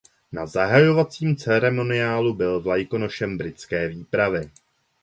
Na zahajovacím ceremoniálu byl vlajkonošem britské výpravy.